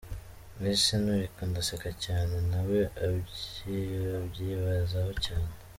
Nahise nturika ndaseka cyane, nawe abyibazaho cyane.